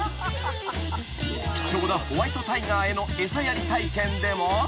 ［貴重なホワイトタイガーへの餌やり体験でも］